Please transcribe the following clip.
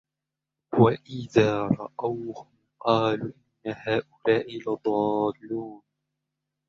وإذا رأوهم قالوا إن هؤلاء لضالون